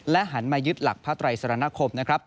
หันมายึดหลักพระไตรสรณคมนะครับ